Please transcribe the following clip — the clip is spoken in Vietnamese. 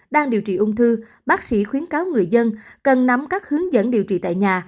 đang điều trị ung thư bác sĩ khuyến cáo người dân cần nắm các hướng dẫn điều trị tại nhà